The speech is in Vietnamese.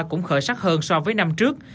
cũng khởi sắc hơn so với năm trước